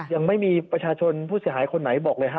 ยังไม่มีประชาชนผู้เสียหายคนไหนบอกเลยฮะ